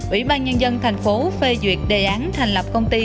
ủy ban nhân dân thành phố phê duyệt đề án thành lập công ty